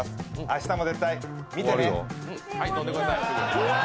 明日も絶対見てねうわ